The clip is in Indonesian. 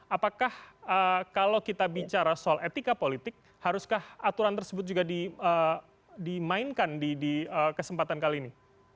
apakah kalau kita bicara soal etika politik haruskah aturan tersebut juga dimainkan di kesempatan kali ini